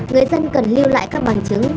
người dân cần lưu lại các bằng chứng